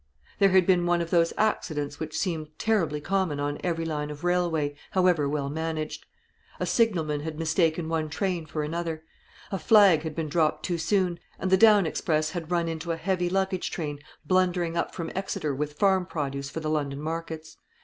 There had been one of those accidents which seem terribly common on every line of railway, however well managed. A signalman had mistaken one train for another; a flag had been dropped too soon; and the down express had run into a heavy luggage train blundering up from Exeter with farm produce for the London markets.